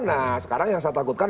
nah sekarang yang saya takutkan